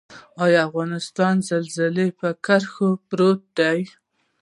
آیا افغانستان د زلزلې په کرښه پروت دی؟